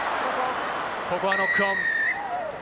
ここはノックオン。